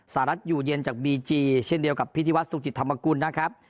รัฐอยู่เย็นจากบีจีเช่นเดียวกับพิธีวัฒนสุจิตธรรมกุลนะครับ